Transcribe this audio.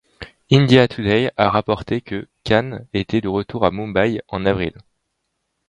India Today a rapporté que Khan était de retour à Mumbai en avril.